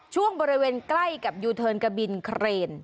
ช่วงบริเวณใกล้กับยูเทิร์นกะบินเครน